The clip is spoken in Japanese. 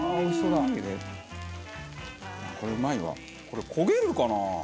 これ焦げるかな？